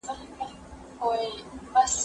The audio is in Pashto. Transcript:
زه پرون درسونه لوستل کوم؟!